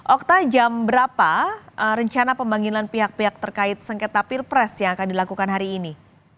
okta jam berapa rencana pemanggilan pihak pihak terkait sengketa pilpres yang akan dilakukan hari ini